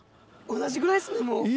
同じぐらいですねもう。